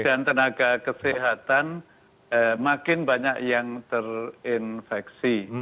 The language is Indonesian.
tenaga kesehatan makin banyak yang terinfeksi